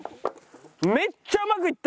めっちゃうまくいった！